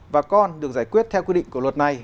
và con được giải quyết theo quy định của luật này